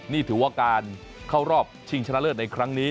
นี่ถือว่าการเข้ารอบชิงชนะเลิศในครั้งนี้